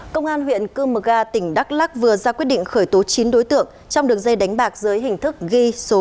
công an huyện cư mờ gà tỉnh đắk lắc vừa ra quyết định khởi tố chín đối tượng trong đường dây đánh bạc dưới hình thức ghi số đề quy mô lớn